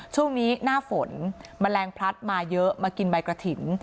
ช่วงนี้หน้าฝนแมลงพลัดมาเยอะมากินใบกระถิ่น